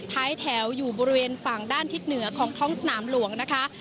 ท้ายแถวอยู่บริเวณฝั่งด้านทิศเหนือของท้องสนามหลวงนะคะ